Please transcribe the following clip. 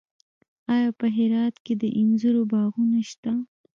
آیا په هرات کې د انځرو باغونه شته؟